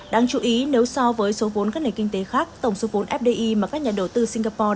đáng chú ý nếu so với số vốn các nền kinh tế khác tổng số vốn fdi mà các nhà đầu tư singapore